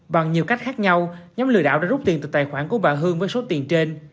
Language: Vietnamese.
bằng nhiều cách khác nhau nhóm lừa đảo đã rút tiền từ tài khoản của bà hương với số tiền trên